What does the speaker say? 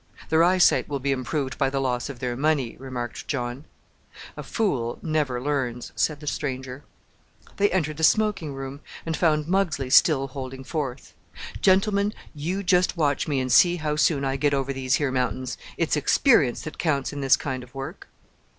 "Their eyesight will be improved by the loss of their money," remarked John. "A fool never learns," said the stranger. They entered the smoking room, and found Muggsley still holding forth, "Gentlemen, you just watch me and see how soon I get over these here mountains. It's experience that counts in this kind of work."